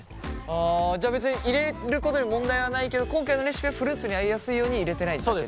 はあじゃあ別に入れることに問題はないけど今回のレシピはフルーツに合いやすいように入れてないだけ。